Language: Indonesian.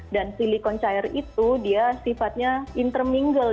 dan silikon cair itu dia sifatnya intermingle